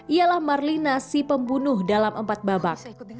ialah marlina si pembunuh dalam empat babak